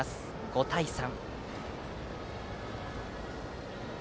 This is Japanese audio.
５対３。